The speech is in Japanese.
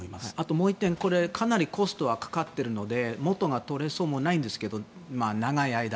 もう１点かなりコストがかかっているのでもとが、とれそうもないんですが長い間。